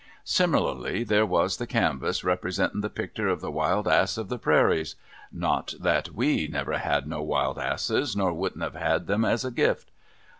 Similarly, there was the canvass, representin the picter of the Wild Ass of the Prairies — not that loe never had no wild asses, nor wouldn't have had 'em at a gift.